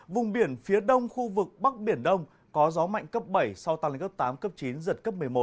vùng biển phía đông khu vực bắc biển đông có gió mạnh cấp bảy sau tăng lên cấp tám cấp chín giật cấp một mươi một